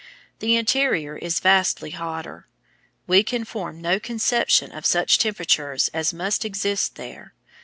The interior is vastly hotter. We can form no conception of such temperatures as must exist there.